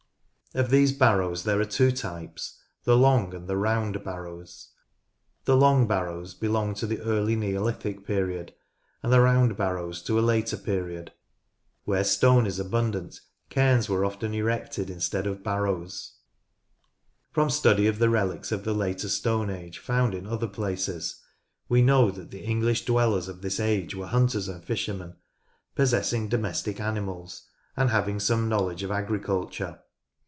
Of these barrows there are two types, the long and the rovind barrows. The long barrows belong to the early Neolithic period and the round barrows to a later period. Where stone is abundant cairns were often erected instead of barrows. From study of the relics of the later Stone Age found in other places we know that the English dwellers of this Bronze Spearhead found at Winmarleigh age were hunters and fishermen, possessing domestic animals, and having some knowledge of agriculture.